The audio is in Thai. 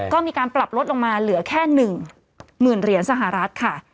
ก็มีการปรับลดลงมาเหลือแค่๑๐๐๐เหรียญสหรัฐค่ะ